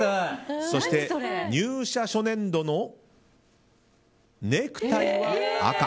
そして、入社初年度のネクタイは赤。